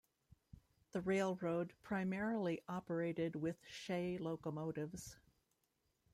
The railroad primarily operated with Shay locomotives.